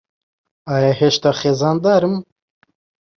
ئایا هێشتا خێزاندارم؟